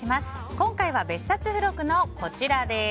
今回は、別冊付録のこちらです。